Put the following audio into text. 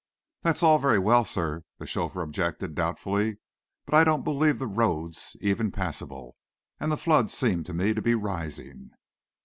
"That's all very well, sir," the chauffeur objected doubtfully, "but I don't believe the road's even passable, and the floods seem to me to be rising."